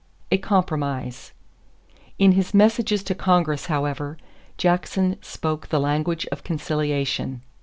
A Compromise. In his messages to Congress, however, Jackson spoke the language of conciliation.